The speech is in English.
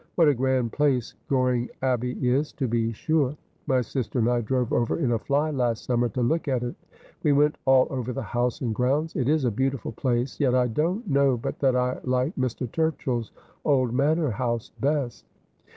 What a grand place Goring Abbey is, to be sure ! My sister and I drove over in a fly last summer to look at it. We went all over the house and grounds. It is a beautiful place. Yet I don't know but that I like Mr. Turchill's old manor house best.'